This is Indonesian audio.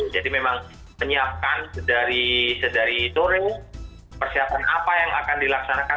jadi memang penyiapkan sedari sedari tori persiapan apa yang akan dilaksanakan